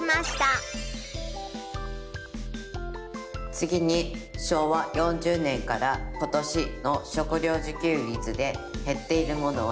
次に昭和４０年から今年の食料自給率でへっているものは。